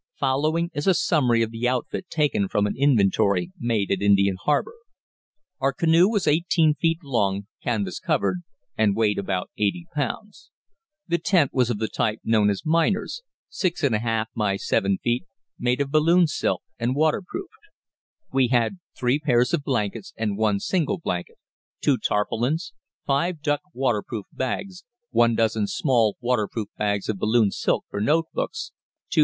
Following is a summary of the outfit taken from an inventory made at Indian Harbour: Our canoe was 18 feet long, canvas covered, and weighed about 80 pounds. The tent was of the type known as miner's, 6 1/2 x 7 feet, made of balloon silk and waterproofed. We had three pairs of blankets and one single blanket; two tarpaulins; five duck waterproof bags; one dozen small waterproof bags of balloon silk for note books; two